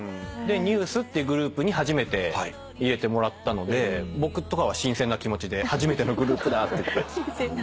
でＮＥＷＳってグループに初めて入れてもらったので僕とかは新鮮な気持ちで初めてのグループだって。